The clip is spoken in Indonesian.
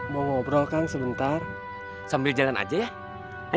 mau ngobrol kang sebentar sambil jalan aja ya